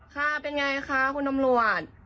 ค่ะเป็นไงคะคุณตำรวจ